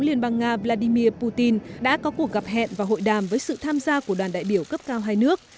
liên bang nga vladimir putin đã có cuộc gặp hẹn và hội đàm với sự tham gia của đoàn đại biểu cấp cao hai nước